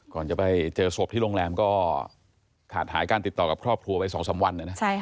ก่อนจะไปเจอศพที่โรงแรมก็ขาดหายการติดต่อกับครอบครัวไป๒๓วัน